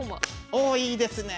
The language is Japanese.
おおいいですね！